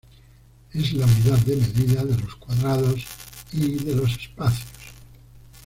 Es la unidad de medida de los cuadrados y de los espacios.